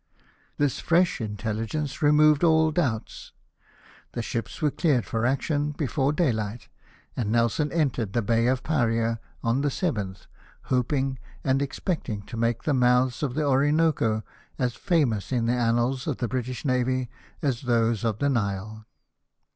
This fresh intelligence removed all doubts. The ships were cleared for action before dayhght, and Nelson entered the Bay of Paria on the 7 th, hoping and expecting to make the mouths of the Orinoco as famous in the annals of the British navy as those of the Nile.